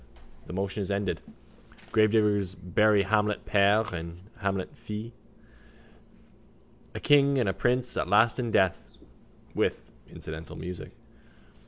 The motion is ended. Gravediggers bury Hamlet père and Hamlet fils. A king and a prince at last in death, with incidental music.